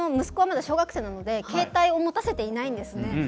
息子はまだ小学生なので携帯を持たせていないんですね。